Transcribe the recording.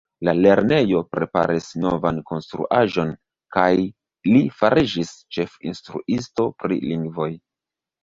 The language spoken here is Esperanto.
La lernejo preparis novan konstruaĵon kaj li fariĝis ĉefinstruisto pri lingvoj.